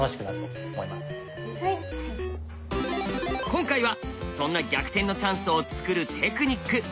今回はそんな逆転のチャンスを作るテクニック！